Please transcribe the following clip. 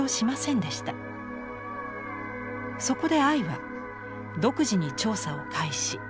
そこでアイは独自に調査を開始。